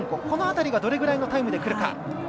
この辺りがどのぐらいのタイムでくるか。